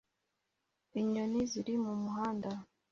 Inyoni ziri mumuhanda